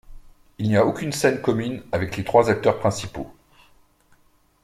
Il n'y a aucune scène commune avec les trois acteurs principaux.